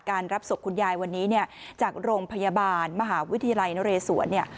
การรับศพคุณยายวันนี้จากโรงพยาบาลมหาวิทยาลัยโนเรสวน